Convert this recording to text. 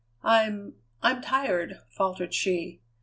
"I'm I'm tired," faltered she.